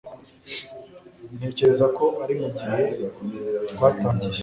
Ntekereza ko ari mugihe twatangiye